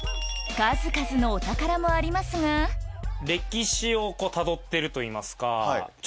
数々のお宝もありますが歴史をこうたどってるといいますか。